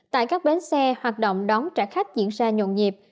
tại các bến xe hoạt động đón trả khách diễn ra nhồn nhịp